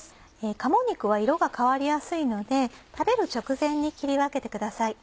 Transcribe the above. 鴨肉は色が変わりやすいので食べる直前に切り分けてください。